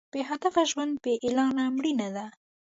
بې هدفه ژوند بې اعلانه مړینه ده.